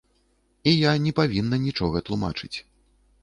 І я не павінна нічога тлумачыць.